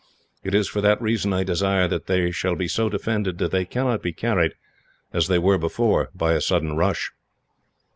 It is for that reason I desire that they shall be so defended that they cannot be carried, as they were before, by a sudden rush."